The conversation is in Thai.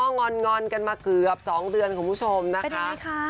พี่ง้องงอนกันมาเกือบ๒เดือนของผู้ชมนะคะ